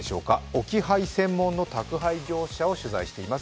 置き配専門の宅配業者を取材しています。